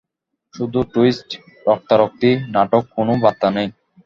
শুধু টুইস্ট, রক্তারক্তি, নাটক, কোনো বার্তা নেই।